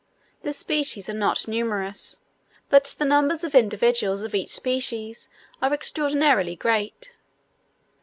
The species are not numerous, but the numbers of individuals of each species are extraordinarily great.